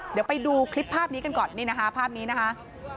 เดี๋ยวไปดูคลิปภาพนี้กันก่อนนี่นะคะภาพนี้นะคะ